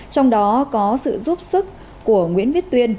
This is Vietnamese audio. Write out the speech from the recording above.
trong đó có sự giúp sức của nguyễn viết tuyên